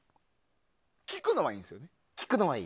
聴くのはいいんですよね？